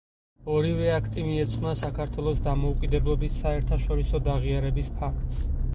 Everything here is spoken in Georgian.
ორივე აქტი მიეძღვნა საქართველოს დამოუკიდებლობის საერთაშორისოდ აღიარების ფაქტს.